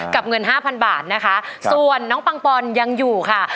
เงินห้าพันบาทนะคะส่วนน้องปังปอนยังอยู่ค่ะ